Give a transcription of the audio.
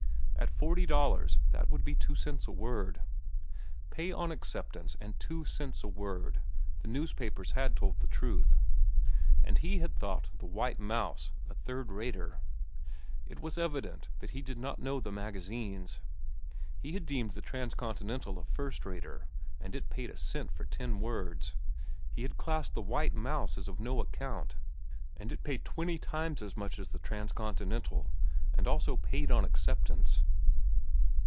At forty dollars that would be two cents a word. Pay on acceptance and two cents a word—the newspapers had told the truth. And he had thought the White Mouse a third rater! It was evident that he did not know the magazines. He had deemed the Transcontinental a first rater, and it paid a cent for ten words. He had classed the White Mouse as of no account, and it paid twenty times as much as the_ Transcontinental_ and also had paid on acceptance.